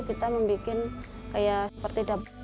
kita membuat seperti dapur